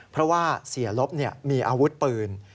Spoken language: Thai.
เพราะว่าเสียลบมีอาวุธปืน